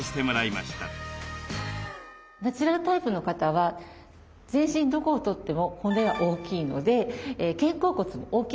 ナチュラルタイプの方は全身どこをとっても骨は大きいので肩甲骨も大きいです。